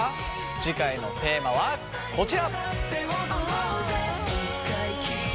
次回のテーマはこちら！